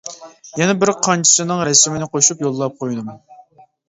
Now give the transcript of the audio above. يەنە بىر قانچىسىنىڭ رەسىمىنى قوشۇپ يوللاپ قويدۇم.